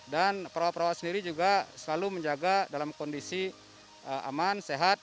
dan perawat perawat sendiri juga selalu menjaga dalam kondisi aman sehat